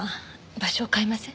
場所を変えません？